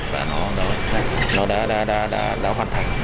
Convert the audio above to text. và nó đã hoàn thành